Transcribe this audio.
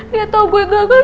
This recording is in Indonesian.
dia tau gue gagal